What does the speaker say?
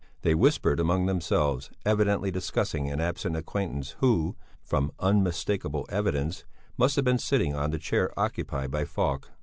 They whispered among themselves, evidently discussing an absent acquaintance who, from unmistakable evidence, must have been sitting on the chair occupied by Falk.